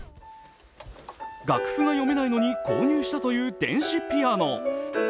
楽譜が読めないのに購入したという電子ピアノ。